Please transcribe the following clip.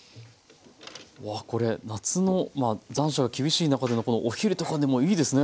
わあこれ夏の残暑が厳しい中でのお昼とかでもいいですね。